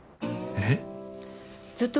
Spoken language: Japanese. えっ？